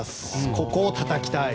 ここをたたきたい。